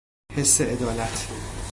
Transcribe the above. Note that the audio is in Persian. حس عدالت